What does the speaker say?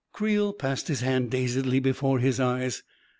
•" Creel passed his hand dazedly before his eyes.